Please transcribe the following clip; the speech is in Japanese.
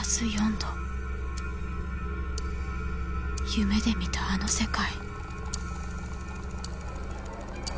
夢で見たあの世界。